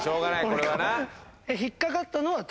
これはな。